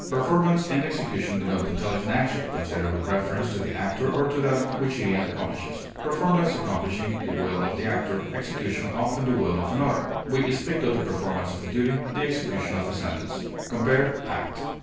Performance and execution denote intelligent action, considered with reference to the actor or to that which he accomplishes; performance accomplishing the will of the actor, execution often the will of another; we speak of the performance of a duty, the execution of a sentence. Compare ACT.